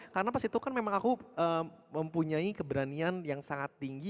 karena pas itu kan memang aku mempunyai keberanian yang sangat tinggi